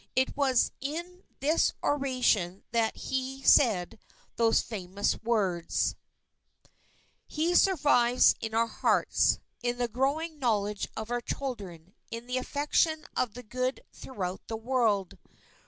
It was in this oration that he said those famous words: "He survives in our hearts in the growing knowledge of our children, in the affection of the good throughout the World